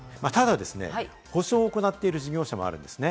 ただですね、補償を行っている事業者もあるんです。